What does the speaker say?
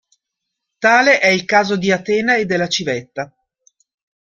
Tale è il caso di Atena e della civetta.